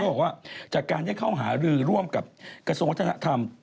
บอกว่าจากการได้เข้าหารือร่วมกับกระทรวงวัฒนธรรม